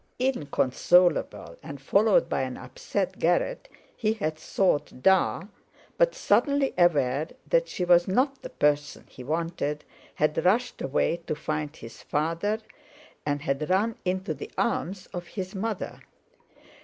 Inconsolable, and followed by an upset Garratt, he had sought "Da"; but suddenly aware that she was not the person he wanted, had rushed away to find his father, and had run into the arms of his mother.